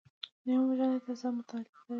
نوې مجله تازه مطالب لري